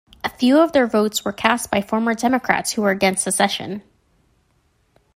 A few of their votes were cast by former Democrats who were against secession.